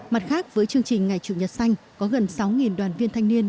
mặt khác với chương trình ngày chủ nhật xanh có gần sáu đoàn viên thanh niên